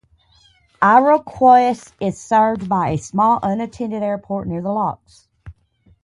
Iroquois is served by a small unattended airport near the locks.